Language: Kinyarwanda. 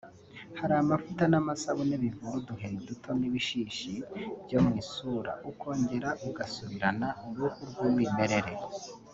Hari amavuta n’amasabune bivura uduheri duto n’ibishishi byo mu isura ukongera gusubirana uruhu rw’umwimerere